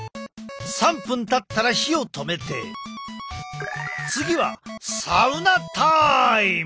３分たったら火を止めて次はサウナタイム！